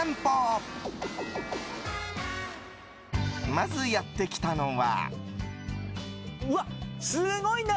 まずやってきたのは。